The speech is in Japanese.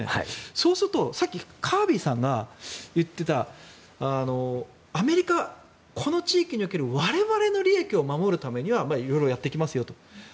そうするとさっきカービーさんが言っていたアメリカ、この地域における我々の利益を守るためにいろいろやっていきますよと。